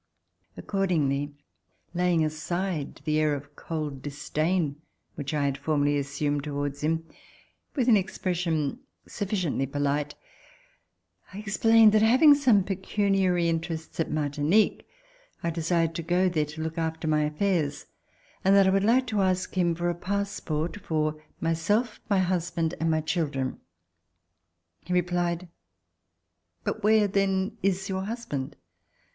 Accordingly, laying aside the aii of cold disdain which I had formerly assumed towards him, with an expression sufficiently polite, I explained that having some pecuniary interests at Martinique, I desired to go there to look after my affairs, and that I would like to ask him for a passport for my self, my husband and my children. He replied: "But where then is your husband?"